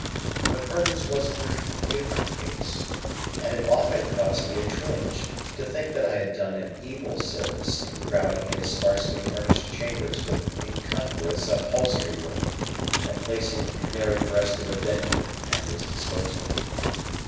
But Herbert's was a very different case, and it often caused me a twinge to think that I had done him evil service in crowding his sparely furnished chambers with incongruous upholstery work, and placing the Canary breasted Avenger at his disposal.